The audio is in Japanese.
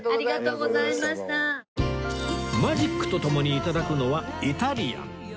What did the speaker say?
マジックと共に頂くのはイタリアン